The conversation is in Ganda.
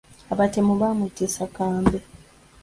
Abatemu baamuttisa kambe.